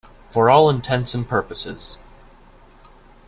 For all intents and purposes.